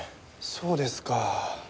そうですか。